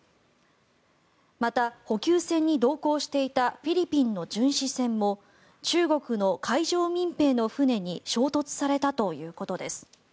また、補給船に同行していたフィリピンの巡視船も中国の海上民兵の船に衝突されたということです。